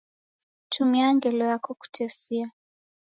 Tumia ngelo yako kutesia.